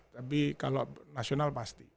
tapi kalau nasional pasti